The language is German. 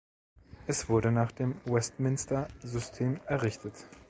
Es wurde nach dem Westminster-System errichtet.